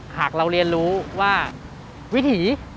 หากเราเรียนรู้ว่าวิถี